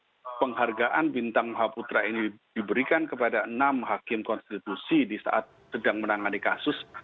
nah ketika kemudian penghargaan bintang mahaputra ini diberikan kepada enam hakim konstitusi di saat sedang menangani kasus